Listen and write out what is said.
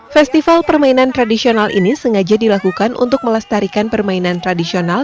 festival permainan tradisional ini sengaja dilakukan untuk melestarikan permainan tradisional